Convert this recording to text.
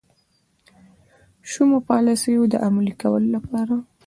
شومو پالیسیو د عملي کولو لپاره.